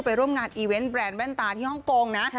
ร่วมงานอีเวนต์แบรนดแว่นตาที่ฮ่องกงนะ